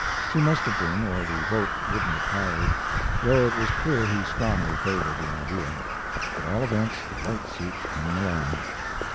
She must have been or the vote wouldn't have carried, though it was clear he strongly favored the idea. At all events, the white suits came along.